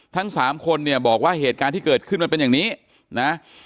ทั้งสามคนเนี่ยบอกว่าเหตุการณ์ที่เกิดขึ้นมันเป็นอย่างนี้นะ